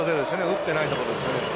打ってないところですね。